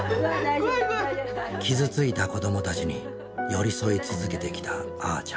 傷ついた子どもたちに寄り添い続けてきたあーちゃん。